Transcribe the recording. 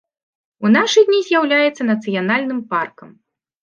У нашы дні з'яўляецца нацыянальным паркам.